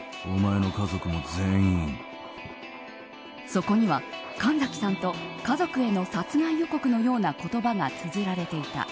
そこには、神崎さんと家族への殺害予告のような言葉がつづられていた。